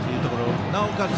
なおかつ